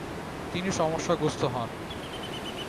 তিনি সমস্যাগ্রস্থ হন।